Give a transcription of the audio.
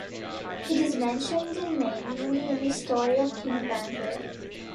It is mentioned in mainly in the Story of King Banjar.